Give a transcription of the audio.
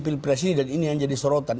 pilpres ini dan ini yang jadi sorotan